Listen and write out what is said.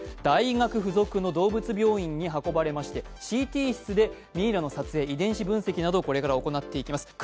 大学付属の動物病院に運ばれましてＣＴ室でミイラの撮影、遺伝子分析などをこれから行っていきます。